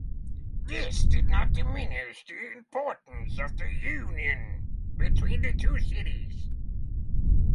This did not diminish the importance of the union between the two cities.